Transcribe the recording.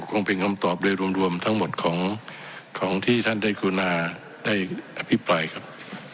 คงเป็นคำตอบโดยรวมทั้งหมดของที่ท่านได้กรุณาได้อภิปรายครับ